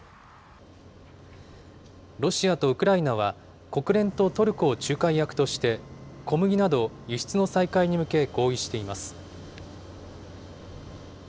ロシアとウクライナは、国連とトルコを仲介役として、小麦など輸出の再開に向け合意しています。